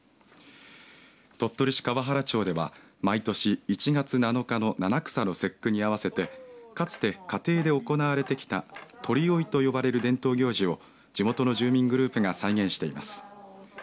鳥取市河原町では毎年１月７日の七草の節句に合わせてかつて家庭で行われてきた鳥追いと呼ばれる伝統行事を地元の住民グループが再現しています。